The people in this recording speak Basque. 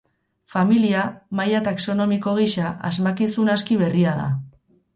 Familia, maila taxonomiko gisa, asmakizun aski berria da.